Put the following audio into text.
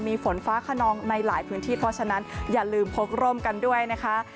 มีฝนฟ้าขนองในหลายพื้นที่เพราะฉะนั้นอย่าลืมพกร่มกันด้วยนะคะ